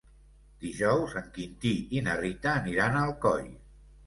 Dijous en Quintí i na Rita aniran a Alcoi.